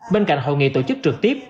bên cạnh hội nghị tổ chức trực tiếp